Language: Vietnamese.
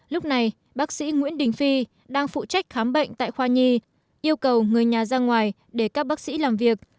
lúc này bác sĩ nguyễn đình phi đang phụ trách khám bệnh tại khoa nhi yêu cầu người nhà ra ngoài để các bác sĩ làm việc